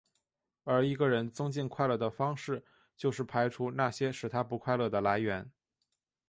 而一个人增进快乐的方式就是排除那些使他不快乐的来源。